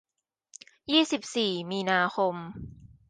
ยี่สิบสี่ มีนาคม